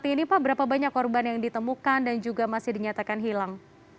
saat ini pak berapa banyak korban yang ditemukan dan juga masih dinyatakan hilang